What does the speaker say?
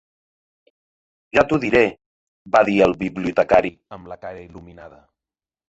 "Jo t'ho diré", va dir el bibliotecari amb la cara il·luminada.